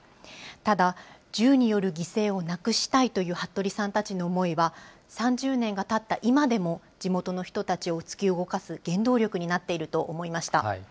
ただ、銃による犠牲をなくしたいという服部さんたちの思いは、３０年がたった今でも、地元の人たちを突き動かす原動力になっていると思いました。